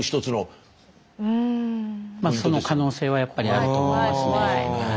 その可能性はやっぱりあると思いますね。